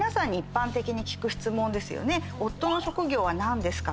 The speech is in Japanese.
夫の職業は何ですか？